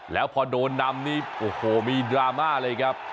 แล้วพอโดนนำนี่โอ้โหมีดราม่าเลยครับ